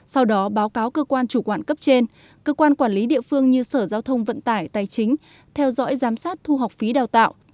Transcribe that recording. sau đó báo cáo cơ quan chủ quản cấp trên cơ quan quản lý địa phương như sở giao thông vận tải tài chính theo dõi giám sát thu học phí đào tạo